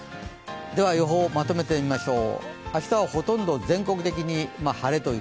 予報をまとめてみましょう。